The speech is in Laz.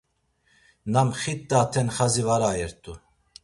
Na mxit̆aten xazi var ayert̆u.